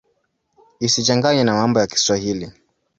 Isichanganywe na mambo ya Kiswahili.